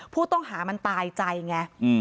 ผู้ต้องหามันตายใจไง